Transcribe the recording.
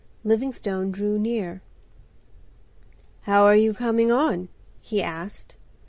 Livingstone drew near. "How are you coming on?" he asked.